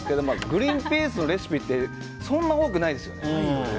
グリーンピースのレシピってそんなに多くないですよね。